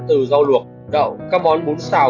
từ rau luộc đậu các món bún xì dầu